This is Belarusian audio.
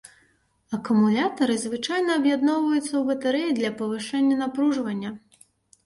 Акумулятары звычайна аб'ядноўваюцца ў батарэі для павышэння напружвання.